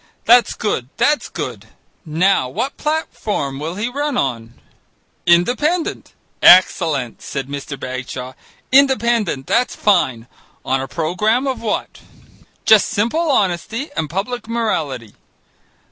That's good, that's good now what platform will he run on?" "Independent." "Excellent," said Mr. Bagshaw. "Independent, that's fine. On a programme of what?" "Just simple honesty and public morality."